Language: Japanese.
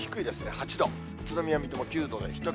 ８度、宇都宮、水戸も９度で１桁。